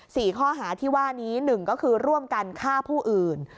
สี่ข้อหาที่ว่านี้หนึ่งก็คือร่วมกันฆ่าผู้อื่น